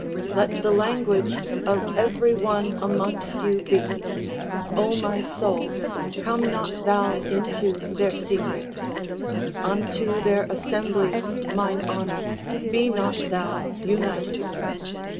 Let the language of every one amongst you be, "Oh my soul, come not thou into their secret, unto their assembly mine honor, be not thou united."